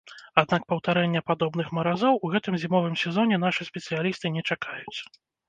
Аднак паўтарэння падобных маразоў у гэтым зімовым сезоне нашы спецыялісты не чакаюць.